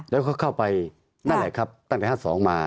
แล้วก็เข้าไปนั่นแหละครับตั้งแต่๕๒มา